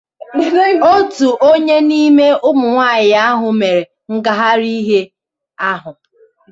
otu onye n'ime ụmụnwaanyị ahụ mere ngagharịiwe ahụ